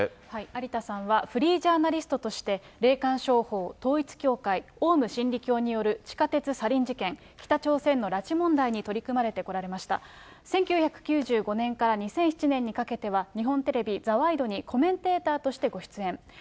有田さんはフリージャーナリストとして、霊感商法、統一教会、オウム真理教による地下鉄サリン事件、北朝鮮の拉致問題に取り組まれてこられました。１９９５年から２００７年にかけては、日本テレビ、ザ・ワイドにコメンテーターとしてご出演。